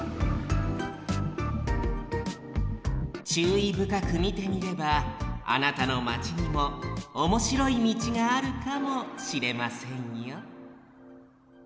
ちゅういぶかくみてみればあなたのマチにもおもしろいみちがあるかもしれませんよ